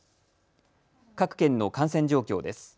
各県の感染状況です。